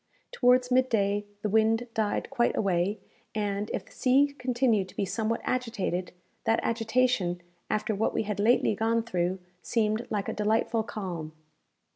Towards mid day, the wind died quite away, and, if the sea continued to be somewhat agitated, that agitation, after what we had lately gone through, seemed like a delightful calm.